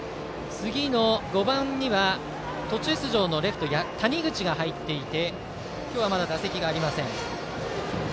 次の５番には途中出場のレフト谷口が入っていて今日はまだ打席がありません。